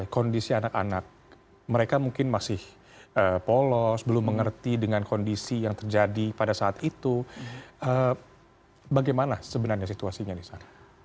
kondisi anak anak mereka mungkin masih polos belum mengerti dengan kondisi yang terjadi pada saat itu bagaimana sebenarnya situasinya di sana